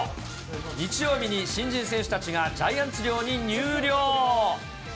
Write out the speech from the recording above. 日曜日に新人選手たちがジャイアンツ寮に入寮。